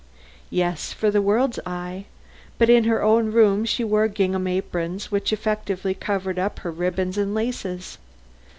"Yes, for the world's eye. But in her own room she wore gingham aprons which effectually covered up her ribbons and laces."